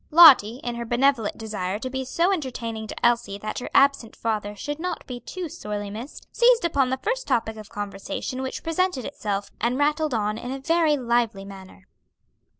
Lottie, in her benevolent desire to be so entertaining to Elsie that her absent father should not be too sorely missed, seized upon the first topic of conversation which presented itself and rattled on in a very lively manner.